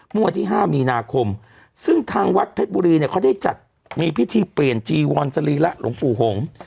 เมื่อวันที่๕มีนาคมซึ่งทางวัดเพชรบุรีเนี่ยเขาได้จัดมีพิธีเปลี่ยนจีวอนสรีระหลวงปู่หงษ์